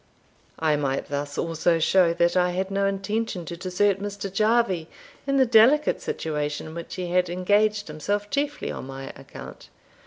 I might thus also show, that I had no intention to desert Mr. Jarvie in the delicate situation in which he had engaged himself chiefly on my account.